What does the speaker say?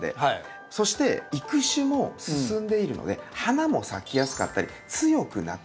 そして育種も進んでいるので花も咲きやすかったり強くなってたりするんですよ。